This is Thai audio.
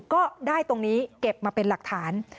ก็ได้ตรงนี้เก็บมาเป็นหลักฐาน